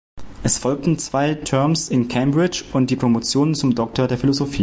Es folgten zwei Terms in Cambridge und die Promotion zum Doktor der Philosophie.